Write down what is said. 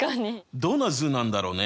どんな図なんだろうね？